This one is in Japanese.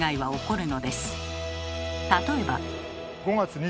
例えば。